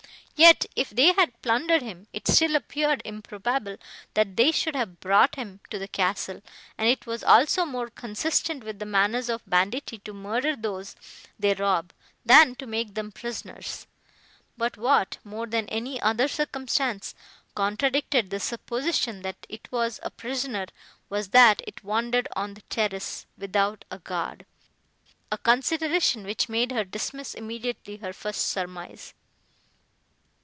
Yet, if they had plundered him, it still appeared improbable, that they should have brought him to the castle, and it was also more consistent with the manners of banditti to murder those they rob, than to make them prisoners. But what, more than any other circumstance, contradicted the supposition, that it was a prisoner, was that it wandered on the terrace, without a guard: a consideration, which made her dismiss immediately her first surmise.